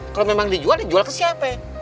kalo memang dijual ya jual ke siapa